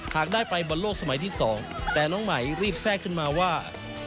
หากได้ไปบอลโลกสมัยที่๒แต่น้องไหมรีบแทรกขึ้นมาว่า